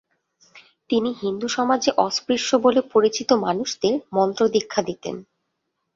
তিনি হিন্দু সমাজে অস্পৃশ্য বলে পরিচিত মানুষদের মন্ত্রদীক্ষা দিতেন।